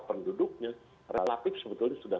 penduduknya relatif sebetulnya sudah